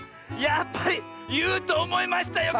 やっぱりいうとおもいましたよ